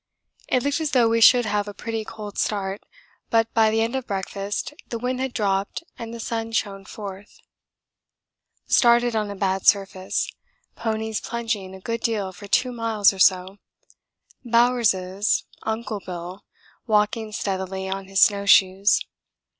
It looked as though we should have a pretty cold start, but by the end of breakfast the wind had dropped and the sun shone forth. Started on a bad surface ponies plunging a good deal for 2 miles or so, Bowers' 'Uncle Bill' walking steadily on his snow shoes.